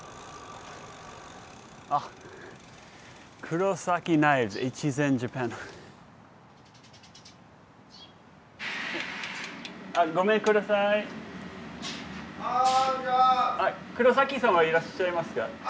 黒さんはいらっしゃいますか？